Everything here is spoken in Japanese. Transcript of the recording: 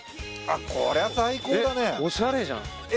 おしゃれじゃんえ